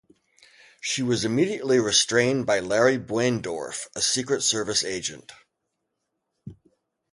She was immediately restrained by Larry Buendorf, a Secret Service agent.